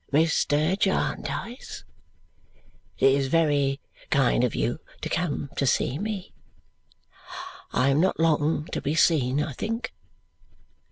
"Mr. Jarndyce, it is very kind of you to come to see me. I am not long to be seen, I think.